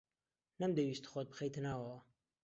نەمدەویست خۆت بخەیتە ناوەوە.